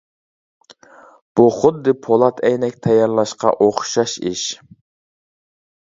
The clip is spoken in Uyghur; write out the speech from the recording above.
بۇ خۇددى پولات ئەينەك تەييارلاشقا ئوخشاش ئىش.